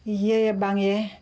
iya ya bang ya